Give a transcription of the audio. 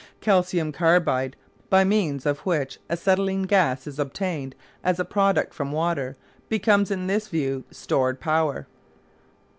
Calcium carbide, by means of which acetylene gas is obtained as a product from water, becomes in this view stored power.